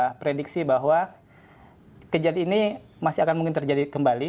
jadi kita prediksi bahwa kejadian ini masih akan mungkin terjadi kembali